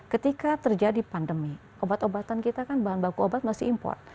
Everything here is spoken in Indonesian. ketika terjadi pandemi obat obatan kita kan bahan baku obat masih import